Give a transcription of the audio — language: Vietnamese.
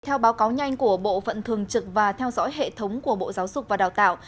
theo báo cáo nhanh của bộ phận thường trực và theo dõi hệ thống của bộ giáo dục và đào tạo